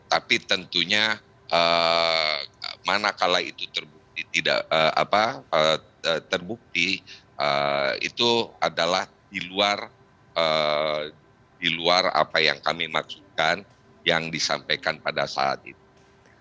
tapi tentunya manakala itu terbukti tidak terbukti itu adalah di luar apa yang kami maksudkan yang disampaikan pada saat itu